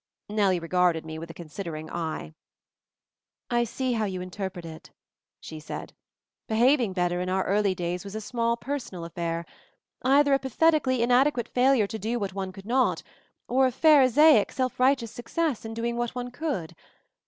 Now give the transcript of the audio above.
Nellie regarded me with a considering eye. "I see how you interpret it," she said, "be having better in our early days was a small MOVING THE MOUNTAIN 47 personal affair; either a pathetically inade quate failure to do what one could not, or a pharisaic, self righteous success in doing what one could.